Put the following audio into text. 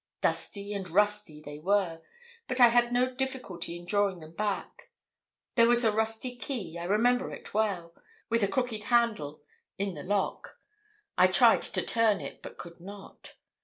Dusty and rusty they were, but I had no difficulty in drawing them back. There was a rusty key, I remember it well, with a crooked handle in the lock; I tried to turn it, but could not.